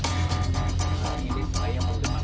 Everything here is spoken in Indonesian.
ini desain yang penting mas